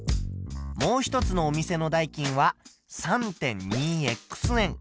もう一つのお店の代金は３．２円。